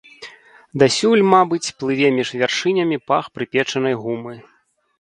Дасюль, мабыць, плыве між вяршынямі пах прыпечанай гумы.